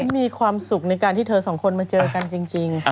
มีความสุขในการที่เธอสองคนมาเจอกันจริง